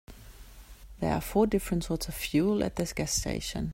There are four different sorts of fuel at this gas station.